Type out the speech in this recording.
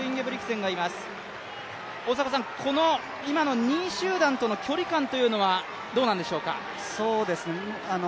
大迫さん、今の２位集団との距離感というのはどうなんでしょうか。